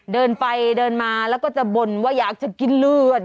เดินไปเดินมาแล้วก็จะบ่นว่าอยากจะกินเลือด